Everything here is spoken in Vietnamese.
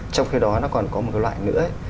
trong khi đó nó còn có một loại nữa